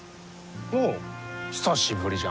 おう久しぶりじゃのう。